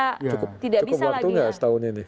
cukup waktu nggak setahun ini